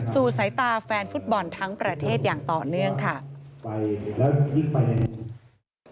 สายตาแฟนฟุตบอลทั้งประเทศอย่างต่อเนื่องค่ะ